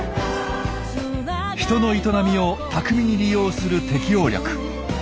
人の営みを巧みに利用する適応力。